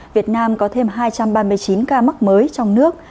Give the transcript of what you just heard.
việt nam có thêm hai trăm ba mươi chín ca mắc mới trong nước